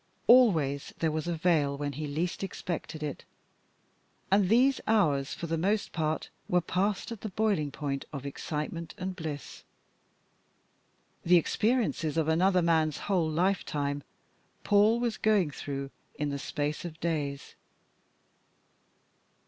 Always there was a veil, when he least expected it, and so these hours for the most part were passed at the boiling point of excitement and bliss. The experiences of another man's whole lifetime Paul was going through in the space of days.